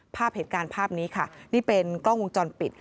ภาพเหตุการณ์ภาพนี้ค่ะนี่เป็นกล้องวงจรปิด